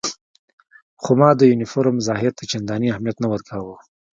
خو ما د یونیفورم ظاهر ته چندانې اهمیت نه ورکاوه.